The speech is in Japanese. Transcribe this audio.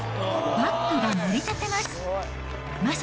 バックがもり立てます。